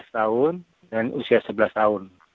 kemudian usia tujuh belas tahun untuk putri